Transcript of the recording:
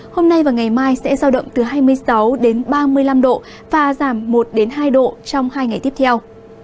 hôm nay và ngày mai sẽ giao động từ hai mươi sáu đến ba mươi năm độ và giảm một hai độ trong hai ngày tiếp theo